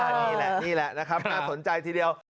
นี่แหละนี่แหละนะครับน่าสนใจทีเดียว